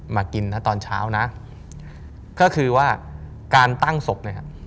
มากินนะตอนเช้านะก็คือว่าการตั้งศพเนี่ยฮะ